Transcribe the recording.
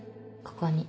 ここに。